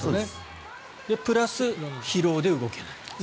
プラス疲労で動けない。